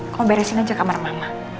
kamu beresin aja kamar mama